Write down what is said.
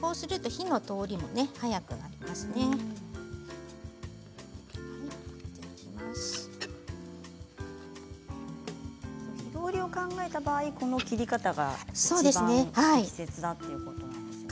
火通りを考えた場合この切り方がいちばん適切だということなんですね。